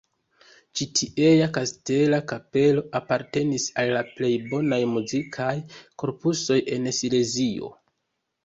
Ĉi tiea kastela kapelo apartenis al la plej bonaj muzikaj korpusoj en Silezio.